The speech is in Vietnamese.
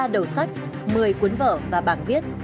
hai mươi ba đầu sách một mươi cuốn vở và bảng viết